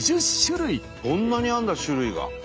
こんなにあるんだ種類が。